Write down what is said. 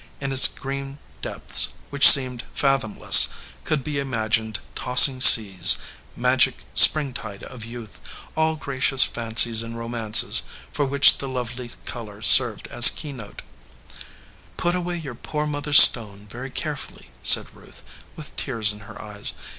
In its green depths, which seemed fathomless, could be imagined tossing seas, magic springtide of youth, all gracious fancies and romances for which the lovely color served as key note. 283 EDGEWATER PEOPLE "Put away your poor mother s stone very care fully," said Ruth, with tears in her eyes.